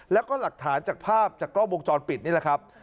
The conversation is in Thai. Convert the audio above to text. แล้วก็หลักฐานจากภาพจากกล้องวงจรปิดนี่แหละครับ